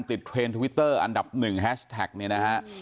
เทรนด์ทวิตเตอร์อันดับหนึ่งแฮชแท็กเนี่ยนะฮะ